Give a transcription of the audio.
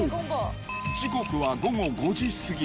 時刻は午後５時過ぎ。